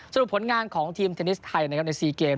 สรุปผลงานของทีมเทนนิสไทยในซีเกม